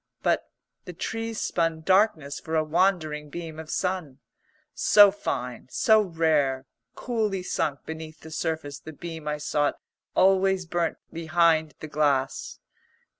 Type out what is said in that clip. But the trees spun darkness for a wandering beam of sun. So fine, so rare, coolly sunk beneath the surface the beam I sought always burnt behind the glass.